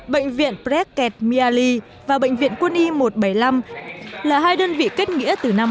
bệnh viện bredket mealea và bệnh viện quân y một trăm bảy mươi năm là hai đơn vị kết nghĩa từ năm hai nghìn bảy